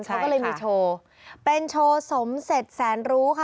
ใช่ค่ะเค้าเลยมีโชว์เป็นโชว์สมเศษแสนรู้ค่ะ